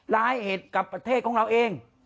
ร้ายเหตุกับประเทศของเราเอง